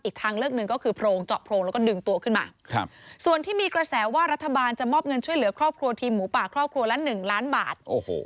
ทางเลือกหนึ่งก็คือโพรงเจาะโพรงแล้วก็ดึงตัวขึ้นมาส่วนที่มีกระแสว่ารัฐบาลจะมอบเงินช่วยเหลือครอบครัวทีมหมูป่าครอบครัวละ๑ล้านบาท